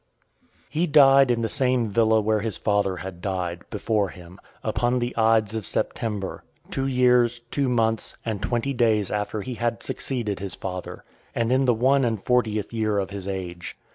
XI. He died in the same villa where his father had died (474) before him, upon the Ides of September [the 13th of September]; two years, two months, and twenty days after he had succeeded his father; and in the one and fortieth year of his age .